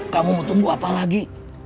kamu mau tunggu apa lagi